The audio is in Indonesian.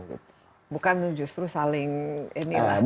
bukan justru saling ini lah